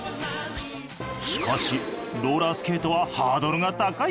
しかしローラースケートはハードルが高い。